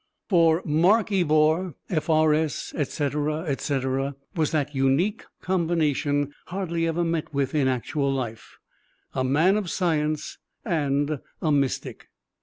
For Mark Ebor, F.R.S., etc., etc., was that unique combination hardly ever met with in actual life, a man of science and a mystic.